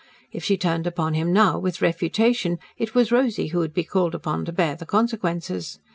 If she turned upon him now with refutation, it was Rosy who would be called upon to bear the consequences.